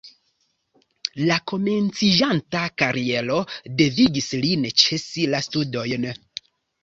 La komenciĝanta kariero devigis lin ĉesi la studojn.